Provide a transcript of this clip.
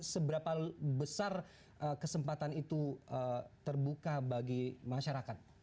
seberapa besar kesempatan itu terbuka bagi masyarakat